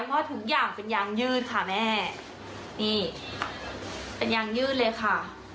เพราะทุกอย่างเป็นยางยืดค่ะแม่นี่เป็นยางยืดเลยค่ะ